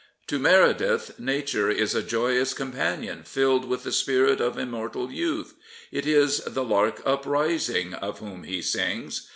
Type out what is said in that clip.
'' To Meredith Nature is a joyous companion filled with the spirit of immortal youth; it is " The Lark Uprising " of whom he sings.